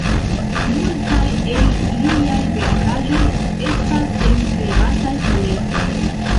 Multaj el liaj verkaĵoj estas en privataj kolektoj.